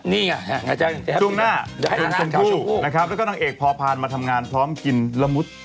ใช่นี่จะชุกหน้าชุมคู่แล้วก็นางเอกพอพานมาทำงานพร้อมกินละมุด